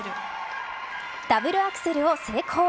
ダブルアクセルを成功。